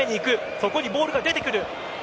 そこにボールが出てくる。